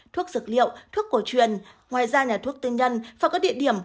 thuốc dược liệu thuốc cổ truyền ngoài ra nhà thuốc tư nhân và các địa điểm